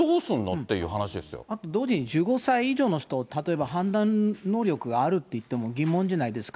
あと同時に１５歳以上の人、例えば判断能力があるって言っても、疑問じゃないですか。